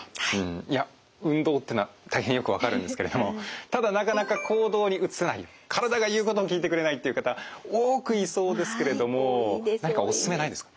いや運動ってのは大変よく分かるんですけれどもただなかなか行動に移せない体が言うことを聞いてくれないっていう方多くいそうですけれども何かおすすめないですか？